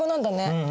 うん。